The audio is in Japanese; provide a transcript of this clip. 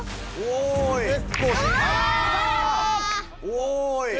おい。